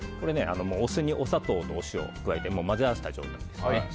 お酢にお砂糖とお塩を加えて混ぜ合わせた状態です。